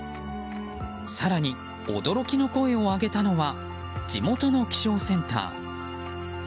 更に、驚きの声を上げたのは地元の気象センター。